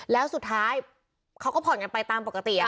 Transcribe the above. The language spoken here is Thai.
แล้วสุดท้ายเขาก็ผ่อนกันไปตามปกติ